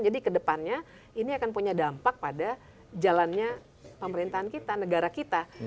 kedepannya ini akan punya dampak pada jalannya pemerintahan kita negara kita